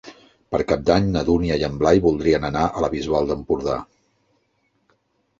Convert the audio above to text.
Per Cap d'Any na Dúnia i en Blai voldrien anar a la Bisbal d'Empordà.